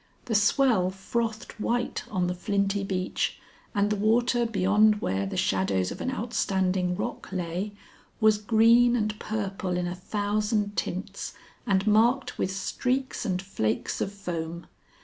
The swell frothed white on the flinty beach, and the water beyond where the shadows of an outstanding rock lay, was green and purple in a thousand tints and marked with streaks and flakes of foam.